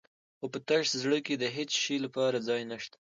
خو په تش زړه کې د هېڅ شي لپاره ځای نه شته.